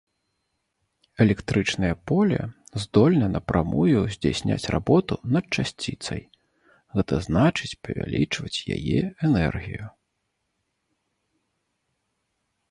Электрычнае поле здольна напрамую здзяйсняць работу над часціцай, гэта значыць павялічваць яе энергію.